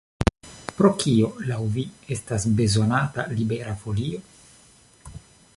Por kio laŭ vi estas bezonata Libera Folio?